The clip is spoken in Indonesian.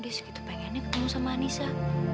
dia segitu pengennya ketemu sama anissa